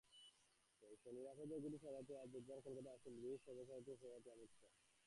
নির্বাচনের ঘুঁটি সাজাতে আজ বুধবার কলকাতায় আসছেন বিজেপির সর্বভারতীয় সভাপতি অমিত শাহ।